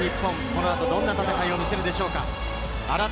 この後、どんな戦いを見せるでしょうか。